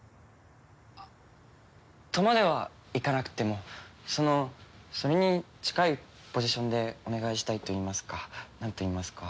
あっとまではいかなくてもそのそれに近いポジションでお願いしたいといいますかなんといいますか。